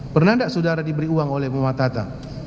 pernah tidak sudara diberi uang oleh pak muhammad hatta